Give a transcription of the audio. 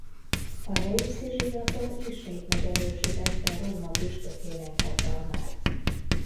A reimsi zsinaton ismét megerősítette Róma püspökének hatalmát.